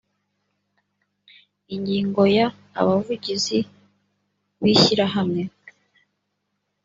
ingingo ya abavugizi b ishyirahamwe